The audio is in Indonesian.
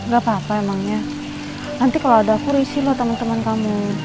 gapapa emangnya nanti kalo ada aku risih loh temen temen kamu